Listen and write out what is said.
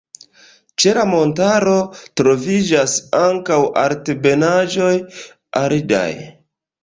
Ĉe la montaro troviĝas ankaŭ altebenaĵoj aridaj.